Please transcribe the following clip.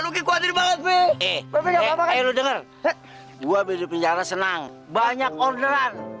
lu denger gua di penjara senang banyak orderan